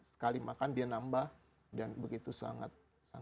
sekali makan dia nambah dan begitu sangat